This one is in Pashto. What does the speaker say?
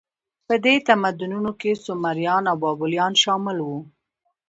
په دې تمدنونو کې سومریان او بابلیان شامل وو.